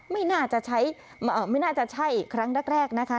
ไม่น่าจะใช้ไม่น่าจะใช่ครั้งแรกนะคะ